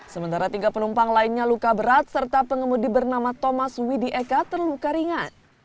sementara tiga penumpang lainnya luka berat serta pengemudi bernama thomas widieka terluka ringan